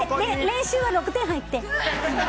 練習は６点入ってん。